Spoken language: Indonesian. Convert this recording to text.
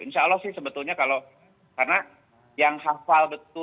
insya allah sih sebetulnya kalau karena yang hafal betul